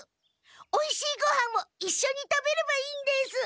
おいしいごはんをいっしょに食べればいいんです。